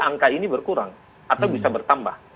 angka ini berkurang atau bisa bertambah